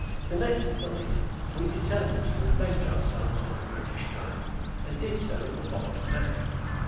The next night we determined to revenge ourselves on the brutish giant, and did so in the following manner.